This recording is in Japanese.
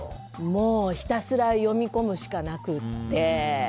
もうひたすら読み込むしかなくって。